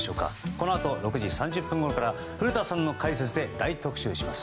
このあと６時３０分ごろから古田さんの解説で大特集します。